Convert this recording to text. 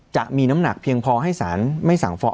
จะมีน้ำหนักเพียงพอให้สารไม่สั่งฟ้อง